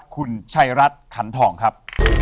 คุณชัยรัฐขันทองครับ